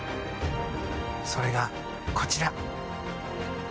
それが、こちら。